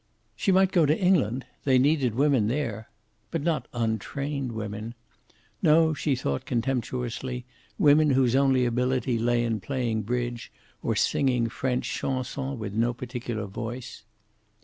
She might go to England. They needed women there. But not untrained women. Not, she thought contemptuously, women whose only ability lay in playing bridge, or singing French chansons with no particular voice.